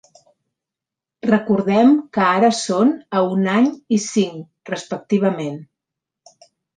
Recordem que ara són a un any i cinc, respectivament.